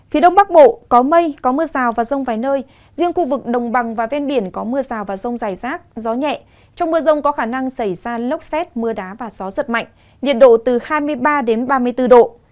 phía đông bắc bộ có mây có mưa rào và rông vài nơi riêng khu vực đồng bằng và ven biển có mưa rào và rông dài rác gió nhẹ trong mưa rông có khả năng xảy ra lốc xét mưa đá và gió giật mạnh nhiệt độ từ hai mươi ba đến ba mươi bốn độ